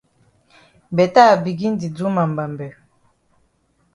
Beta I begin di do ma mbambe.